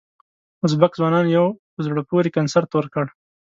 ازبک ځوانانو یو په زړه پورې کنسرت ورکړ.